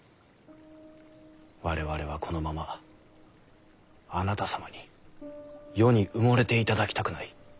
我々はこのままあなた様に世に埋もれていただきたくない。